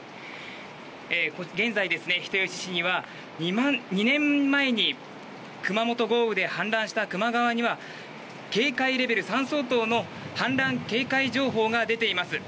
現在、人吉市には２年前に熊本豪雨で氾濫した球磨川には警戒レベル３相当の氾濫警戒情報が出ています。